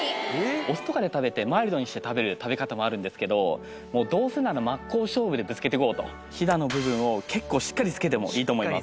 お酢とかで食べてマイルドにして食べる食べ方もあるんですけどもうどうせなら真っ向勝負でぶつけていこうとひだの部分を結構しっかりつけてもいいと思います